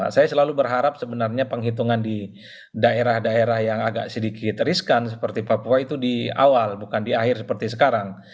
saya selalu berharap sebenarnya penghitungan di daerah daerah yang agak sedikit riskan seperti papua itu di awal bukan di akhir seperti sekarang